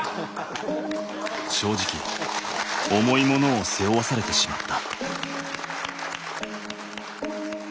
正直重いものを背負わされてしまった。